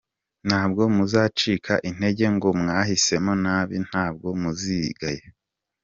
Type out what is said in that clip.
Ntabwo muzacika intege ngo mwahisemo nabi, ntabwo muzigaya.